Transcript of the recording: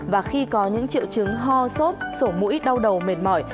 và khi có những triệu chứng ho sốt sổ mũi đau đầu mệt mỏi